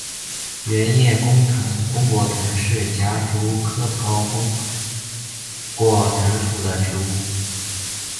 圆叶弓果藤是夹竹桃科弓果藤属的植物。